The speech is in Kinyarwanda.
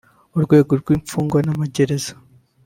urwego rw’imfungwa n’amagereza